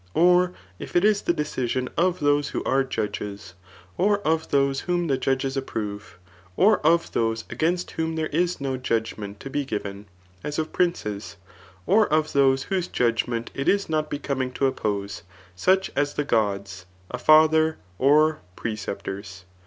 Or if it is the decision of those who are judges, or of those whom the judges approve^ or of those against whom there is no judgment to be given, as of princes ; or of those whose judgment it is not becoming to oppose, such as the gods, a father, or jMreceptors.